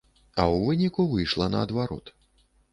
А ў выніку выйшла наадварот.